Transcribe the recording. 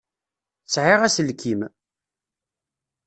Sɛiɣ aselkim.